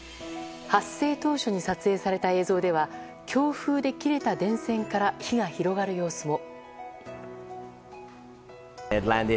発生当初に撮影された映像では強風で切れた電線から火が広がる様子も。